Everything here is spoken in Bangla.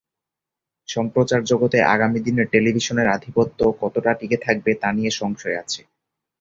সম্প্রচার জগতে আগামী দিনে টেলিভিশনের আধিপত্য কতটা টিকে থাকবে তা নিয়ে সংশয় আছে।